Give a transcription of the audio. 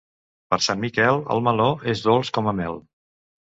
Per Sant Miquel el meló és dolç com a mel.